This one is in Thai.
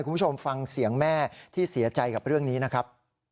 คุณผู้ชมฟังเสียงแม่ที่เสียใจกับเรื่องนี้นะครับ